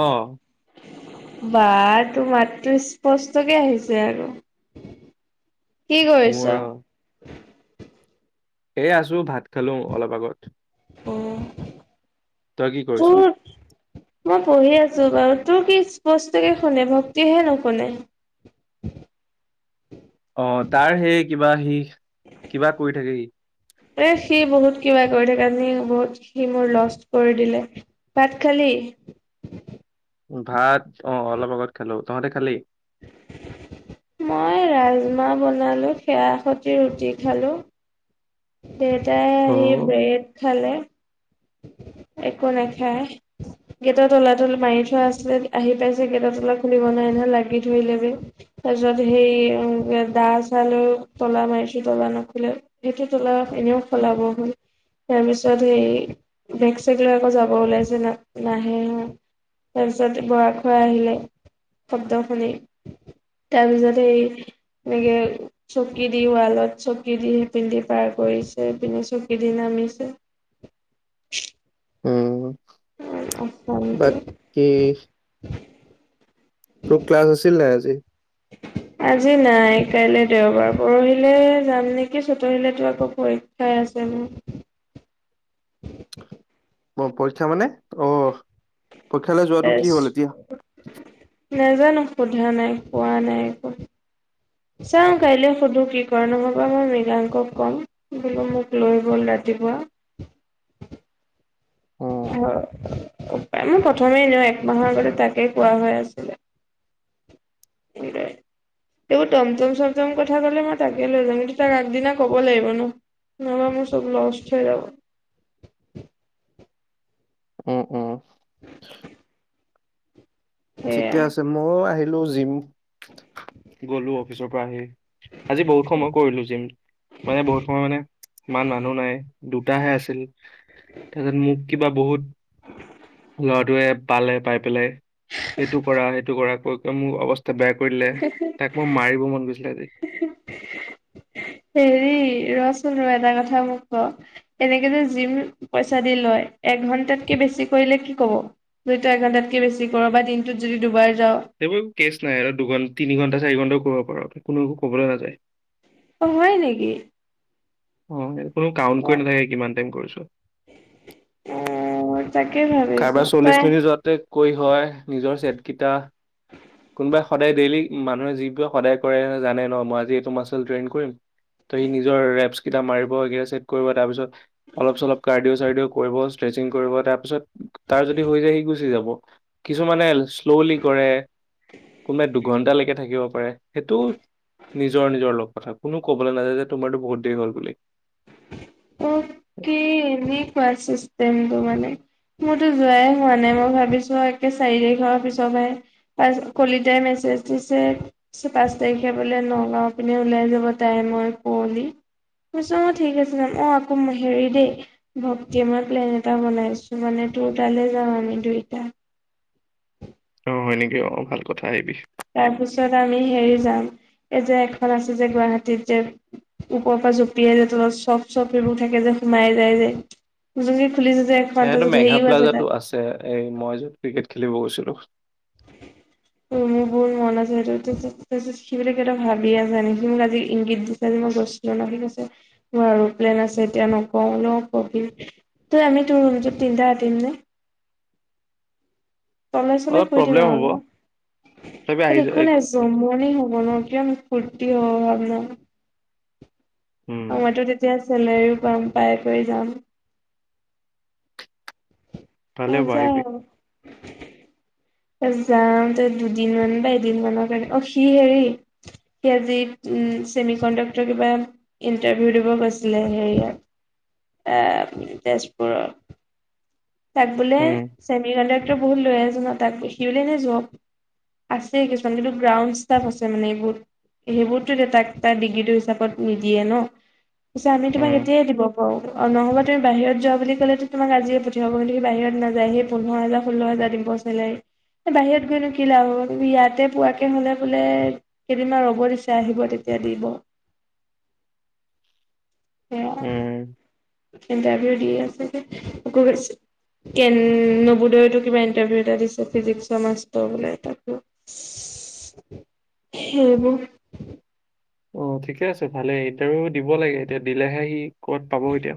অ। বাহ তোমাৰতো স্পষ্টকে আহিছে আৰু। কি মোৰ কৰিছ? এ আছো ভাত খালো অলপ আগত। অ। তই কি কৰিছ? মই পঢ়ি আছো বাৰু তোৰ কি স্পষ্টকে শুনে মোৰ টো হে নুশুনে। [unintelligible] অ তাৰ সেই কিবা সি কিবা কৰি থাকে সি। এ সি বহুত কিবা কৰি থাকে সি বহুত সি মোৰ লষ্ট কৰি দিলে। ভাত খালি? [unintelligible] ভাত অ অলপ আগত খালো। তহঁতে খালি? [unintelligible] মই ৰাজমাহ বনালোঁ, সেয়া সতি ৰুটি খালোঁ। দেউতাই অ আহি ব্ৰেড খালে। একো নাখায় গেটৰ তলা তল মাৰি থোৱা আছিলে। আহি পাইছে গেটৰ তলা খুলিব নোৱাৰে নহয় লাগি ধৰিলেহি। তাৰ পিছত সেই দা চা লৈ তলা মাৰিছো, তলা নখুলে সেইটো তলা এনেও ফলাব হল তাৰ পিছত হেই বেগ চেগ লৈ আকৌ যাব ওলাইছে, ন নাহে তাৰপিছত বৰাক খুৰা আহিলে শব্দ শুনি। তাৰপিছতে এনেকে চকী দি ৱালত চকী দি সি পিন্ধি পাৰ কৰিছে পিনে চকী দিনা। শুনিছো উম। উ বাকী [unintelligible] তোৰ ক্লাছ আছিল নাই আজি? [inaudible] আজি নাই কাইলে দেওবাৰ পৰহিলে যাম নেকি চতখিলে আকৌ পৰীক্ষাই আচে। উ [inaudible] অ পৰীক্ষা মানে? অ পৰীক্ষালৈ যোৱাটো কি হ'ল এতিয়া? টেষ্ট নাজানো সোধা নাই, পোৱা নাই একো। চাও কাইলৈ সুধো কি কৰে নহবা মই মৃগাংকক কম বোলো মোক লৈ বলা। ৰাতি পুৱা অ মই প্ৰথমেই নিওঁ একমাহৰ আগতে তাকেই কোৱা হৈ আছিলে। [unintelligible] এইবোৰ টমটম চমটম কথা কলে মই তাকে লৈ যাম কিন্তু তাৰ আগদিনা ক'ব লাগিব ন। নহলে মোৰ চব লস্থ হৈ যাব। উ অ। [unintelligible] ঠিকে সেয়াই আছে মইও আহিলো জিম গলো অফিচৰ পৰা আহি। আজি বহুত সময় কৰিলো জিম মানে বহুত সময় মানে ইমান মানুহ নাই। দুটাহে আছিল, তাৰপিছত মোক কিবা বহুত ল'ৰাটোৱে পালে পাই পেলাই সেইটো কৰা সেইটো কৰা কৈ ক মোৰ অৱস্থা বেয়া কৰি দলে, তাক মই মাৰিব মন গৈছিলে আজি। [unintelligible] হেৰি ৰচোন ৰ এটা কথা মোক ক এনেকে যে যিম পইচা দি লয় এঘন্টাতকে বেছি কৰিলে কি ক'ব যদি তই এঘন্টাতকে বেছি কৰ বা দিনটোত যদি দুবাৰ যাও সেইবোৰ কেছ নাই আৰু দুঘ তিনি ঘণ্টা চাৰি ঘণ্টাও কৰিব পাৰো কোনো একো কবলৈ নাযায় অ হয় নিকি অ কোনো কাউণ্ট কৰি নাথাকে কিমান টাইম কৰিছো উম কাৰাবাৰ চল্লিশ মিনিট যাতে কৈ হয় নিজৰ চেটকিটা কোনোবাই সদায় ডেইলি মানুহে যিব সদায় কৰে জানে ন মই আজি এইটো মাচুল ট্ৰেইন কৰিম ত সি নিজৰ ৰেপচ কেইটা মাৰিব স চট কৰিব তাৰ পিছত অলপ চলপ কাৰ্ডিও চাৰ্ডিঅ' কৰিব চেকিং কৰিব তাৰপিছত তাৰ যদি হৈ যায় সি গুচি যাব কিছুমানে শ্ল'লি কৰে কোনোবাই দুঘণ্টা লৈকে থাকিব পাএ সেইটো নিজৰ নিজৰ লগ কথা কোনো কবলৈ নাযায় যে তোমাৰতো বহুত দেৰি হ'ল বুলি অকে এনেকুৱা চিষ্টেম তো মানে মোৰতো যোৱাই হোৱা নাই মই ভাবিছো একে চাৰি তাৰিখৰ পিছতহে প কলিতাই ম পাঁচ তাৰিখে বোলে নগাঁও পিনে ওলাই যাব তাই মই পুঁৱলি [unintelligible] অ ঠিক আছে অ আকৌ হেৰি দেই ভক্তি মই প্লেন এটা বনাইছো মানে তোৰ তাত লৈ যাম মানে দুইটা অ', হয় নেকি অঁ ভাল কথা আহিবি তাৰপিছত আমি হেৰি যাম এই যে এখন আছে যে গুৱাহাটীত যে ওপৰৰ পৰা জঁপিয়াই যায় তলত চফ চফ এইবোৰ থাকে যে সোমাই যায় যে য হেয়াটে মেগা প্লাজাতো আছে এই মই যত ক্ৰিকেট খেলিব গৈছিলো অ মোৰ ব [unintelligible] সবিলাকটা ভাবিয় আ যায় নেকি মোক আজি ইংগিত দিছে আজি মই গৈছিলো নে [unintelligible] তে নোৱাৰো প্লেন আছে এতিয়া নকও ন বাকী তে এনেকে আমি তিনটা তিন উ তলে চলে অলপ শুই থাকিম প্ৰব্লেম আক হ'ব তথাপি ইয়াত আহি একো যা। নাই চোন যমনি হ'ব ন কিয় ফূৰ্তি হব ভ উম অ মইতো তেতিয়া চেলেৰিও পাম পাই কৰি যাম অ তালে বাহিবি যাওঁ তই দুদিন মান বা এদিন মানৰ কাৰণে অ সি হেৰি সি আজি উ চেমি কণ্ডাক্টৰ কিবা ইন্টাৰভিউ দিব গৈছিলে হেৰিয়াত আহ তেজপুৰৰ তাক বোলে উম চেমি কণ্টাক্টৰ বহুত লৰা এজনে ন তাক দেখি বোলে এনেই যক আছে কিছুমান কিন্তু গ্ৰাউণ্ড ষ্টফ আছে মানে এই বোত সেইবোৰতো দে তাক তাৰ ডিগ্ৰীটো হিচাপত নিদিয়ে ন পিছে আমি তোমাক উম এতিয়াই দিব পাৰো নহলে তুমি বাহিৰত যোৱা বুলি ক'লে তোমাক আজিয়ে পঠা হি [unintelligible] বাহিৰত নাযায় সে পোন্ধৰ হাজাৰ ষোল্ল হাজাৰ দিব চেলাৰী বাহিৰত গৈনো কি লাভ হ'ব ইয়াতে পোৱাকে হলে বোলে কেইদিনমান ৰ'ব দিছে আহিব তেতিয়া এ দিব হেয়া উম। কিন্তু আহিও দি আছে যে হেটো কৰিছে কেন নবোদয়তো কিবা ইণ্টাৰভিউ এটা দিছে ফিজিক্সৰ মাষ্টৰ বোলে তাকো হেইবোৰ অ ঠিকে আছে ভালে ইণ্টাৰভিউ দিব লাগে এতিয়া দিলেহে সি ক'ত পাব এতিয়া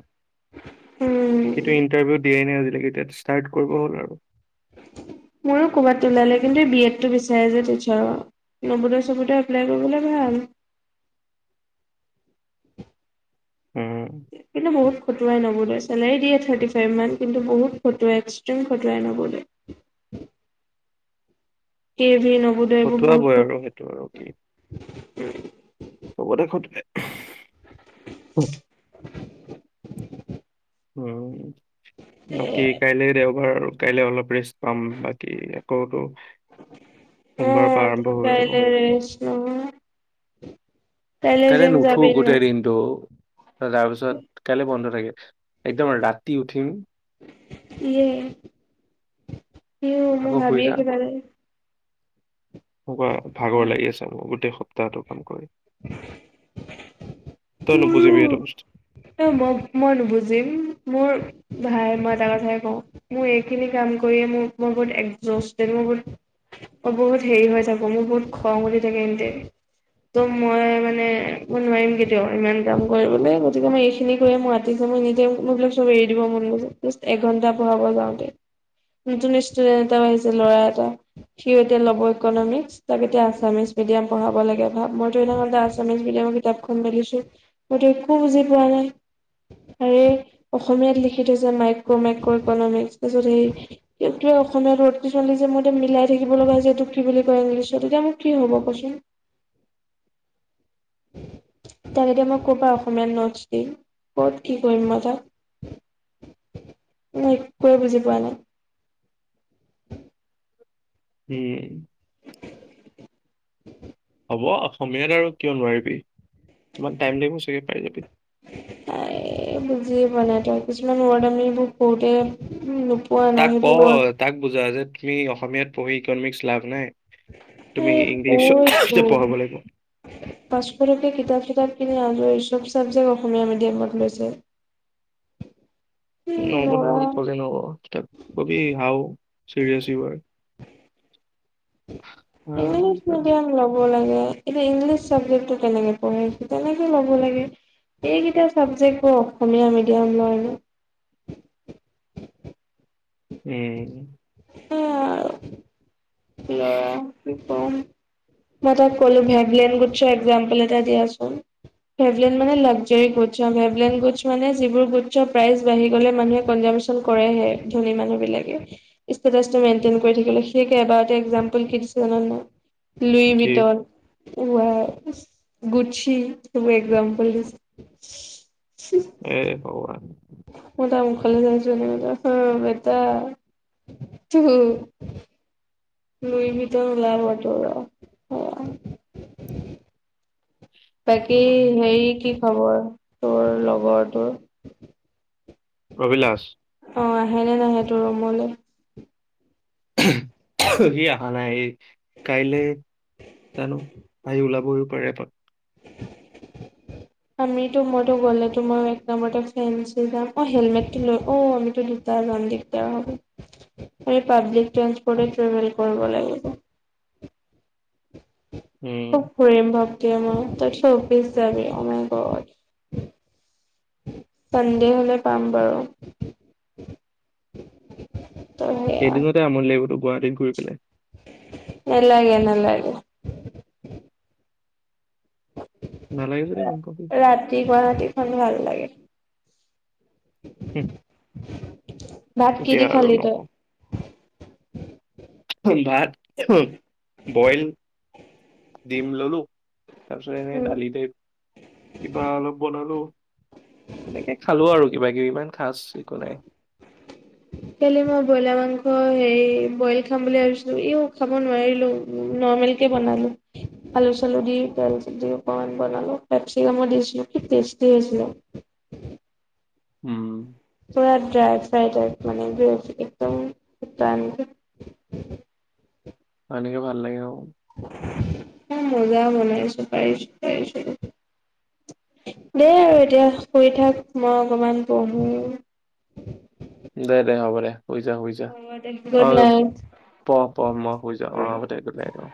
উম সেইটো ইণ্টাৰভিউ দিয়াই নাই আজি লেকে তাক ষ্টাৰ্ট কৰিব হ'ল আৰু মোৰো ক'বাত ওলালে কিন্তু বি এড টো বিচাৰে যে টিচাৰৰ নবোদয় চবুদয় এপ্লাই কৰিবলে ভাল উম চেলাই দিয়ে থাৰ্ট ফাই মান কিন্তু বহুত খটোৱাই [unintelligible] [inaudible] [inaudible] কে ভি খটুৱাবই আৰু সেইটো আৰু নৱোদয়বোৰ কি বহুত ক চবতে খটে উম বাকি কাইলৈ আৰু কাইলে অলপ ৰেষ্ট পাম বাকী আকৌতো, সোমবাৰৰ পৰা আৰম্ভ অ হৈ যাব কাইলৈ ৰেষ্ট নহয় কাইলৈ জিম নুঠো যাবি নে নাই গোটেই দিনটো তাৰপিছত কাইলে বন্ধ থাকে একদম ৰাতি উঠিম ইয়ে, ইয়ে আকৌ শুই ভাবিয়ে যাম কিবা লাগে এনেকুৱা ভাগৰ লাগি আছে মোক গোটেই সপ্তাহটো কাম কৰি, [inaudible] তই নুবুজিবি সেইটো বস্তু মোৰ মই মই নোবুজিম মোৰ ভাই মই এটা কথাই কওঁ মোৰ এইখিনি কাম কৰিয়ে ম ম বুতোৰ বুত [unintelligible] অ বহুত হেৰি হৈ যাব মোৰ বহুত খং উঠি থাকে এনিটাইম। ত মই মানে মই নোৱাৰিম কি ইমান কাম কৰিবলে গতিকে মই এইখিনি কৰি মইতি মই এ মবিলাক চব এৰি দিব মন গৈ এঘন্টা পঢ়াব যাওঁতে নতুন ষ্টুডেন্ট এটাও আহিছে ল'ৰা এটা সিও এতিয়া ল'ব ইকনমিক্স তাক এতিয়া আছামিচ মিডিয়াম পঢ়াব লাগে মইো সেইদিনাখন আথামিছ মিডিয়ামৰ কিতাপখন মেলিছো মই তু একো বুজি পোৱা নাই। আৰে অসমীয়াত লিখি থৈছে মাইক্ৰ মাইক্ৰ ইকনমিক তাৰপিছত হে অসমীয়া ৰ'দ কিছ যে মই এতিয়া মিলাই থাকিব লগা যে এইটো কি বুলি কয় ইংলিছত এতিয়া মোক কি হ'ব কচোন। [unintelligible] তাক এতিয়া মই ক'বাত অসমীয়াত নোটছ দিম ক'ত কি কৰিম মই তাক নাই একোৱে বুজি পোৱা নাই। [unintelligible] হ'ব অসমীয়াত আৰু কিয় নোৱাৰিবি ইমান টাইম লাগিব চাগে পাৰি যাবি। এই বুজি এই পোৱা নাই, কিছুমান ওৱৰ্ড আমি এইবোৰ কহুতে তাক ক তাক বুজা যে তুমি অসমীয়াত পঢ়ি ইকনমিক্স লাভ নাই। তুমি এই ইংলিছ পঢ়াব লাগিব। পাঁচফোৰকে কিতাপ চিতাপ কিনি আজৰিছো। চব ছাবজেক্ট অসমীয়া মিডিয়ামত লৈছে। এই নহ'ব ল'ৰা নহয় সি কলে নহ'ব কিতাপ কবি হাও [unintelligible] হয়। ইংলিছ তাৰপিছত মিডিয়াম ল'ব লাগে এতিয়া ইংলিছ চাবজেক্ কেনেকে পঢ় আছো তেনেকে ল'ব লাগে এইকেইটা চাবজেক্ট অসমীয়া মিডিয়াম ল'য়নে? উম [unintelligible] মই তাক কলো ভেবেলেন গুচছ এক্সাম্পল এটা দিয়াচোন? ভেৱলেন মানে luxury goods of, Veblen goods মানে যিবোৰ গুছৰ প্ৰাইচ বাঢ়ি গ'লে মানুহে [unintelligible] ধনী মানুহ বিলাকে ষ্টেটাছটো মেনটেন কৰি থাকিবলে এক্জাম্পল কি দিছে জান, লুই ঠিক ভিতৰত উ আই, গুচ্ছি একজাম্পল দিছে এ ভগৱান [unintelligible] লুই ভিতৰ ওলাৱ তোৰ ৰ বাকী হেৰি কি খবৰ তোৰ লগৰ তোৰ অভিলাষ অঁ আহেনে নাহে তোৰ ৰুমলৈ। সি অহা নাই কাইলে। জানো আহি ওলাবহি পাৰে এপাক। [unintelligible] আমিতো মইতো গ'লেতো মই এক নম্বৰতে ফে যাম অঁ হেলমেটলৈ অঁ আমিতো দুটা যাম। দিগদাৰ হ'ব। আমি পাব্লিক ট্ৰাছপ্ৰোট ৰ্টেভেল কৰিব লাগিব। উম খুব ফুৰিম বা। তই অফিচ যাবি, অঁ মাই গড। চানডে হলে পাম বাৰু। ত সেয়া এদিনতে আমনি লাগিবতো গুৱাহাটীত ঘূৰি পেলাই। নেলাগে নেলাগে। নেলাগে যদি ভাল খৱৰ। কেইখনো আৰু লাগে উম। ভাত কি দি খালি তই? ভাত, বইল দিম ললোঁ। তাৰপিছত এনে উম দালি টাইপ কিবা অলপ বনালো। হেনেকে খালো আৰু কিবা কিবি ইমান খাচ একো নাই। কালি মই ব্ৰইলাৰ মাংস হেৰি বইল খাম বুলি ভাবিছিলো ইও খাব নোৱাৰিলোঁ। বয়লকে বনালো আলু চালু দি তেল দি অকমান বনালো পপিকাম দিছিলো। টেষ্টি আছিল। উম। তৰা ড্ৰাই ফ্ৰাই টাইপ মানে একদম ত। এনেকে ভাল লাগে। ম মজা বনাইছো পাইছো পাইছো। দেই আৰু এতিয়া শুই থাক মই অকমান পঢ়ো। দে দে হ'ব দে শুই যা শুই যা গুড অঁ নাইট। পঢ় পঢ় মই শুই যাওঁ অ আ' হব দে গোত নাইত অঁ